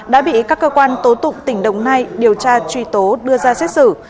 đã bị các cơ quan tố tụng tỉnh đồng nai điều tra truy tố đưa ra xét xử